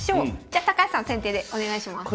じゃあ高橋さん先手でお願いします。